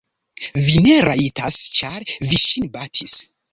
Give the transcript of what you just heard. Vi ne rajtas, ĉar vi ŝin batis.